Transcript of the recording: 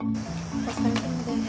お疲れさまです。